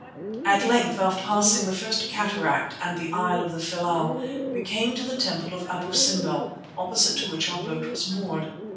At length after passing the First Cataract and the Island of Philæ we came to the temple of Abu Simbel, opposite to which our boat was moored.